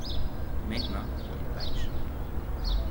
Maintenant ils pêchent.